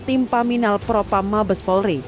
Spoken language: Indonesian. tim paminal propa mabes polri